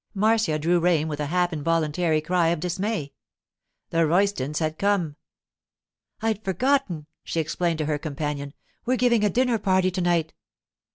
Marcia drew rein with a half involuntary cry of dismay. The Roystons had come. 'I'd forgotten!' she explained to her companion. 'We're giving a dinner party to night.